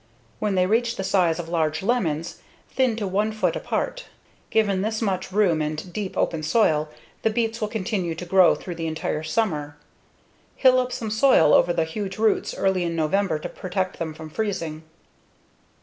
When they reach the size of large lemons, thin to 1 foot apart. Given this much room and deep, open soil, the beets will continue to grow through the entire summer. Hill up some soil over the huge roots early in November to protect them from freezing.